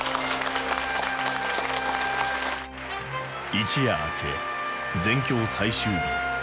一夜明け全共最終日。